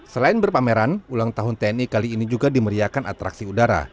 selain berpameran ulang tahun tni kali ini juga dimeriakan atraksi udara